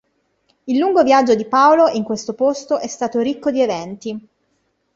Il lungo viaggio di Paolo in questo posto è stato ricco di eventi.